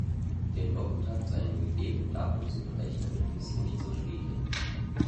Den Wochentag zu einem gegebenen Datum zu berechnen, ist nicht so schwierig.